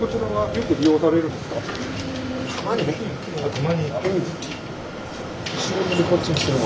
たまに？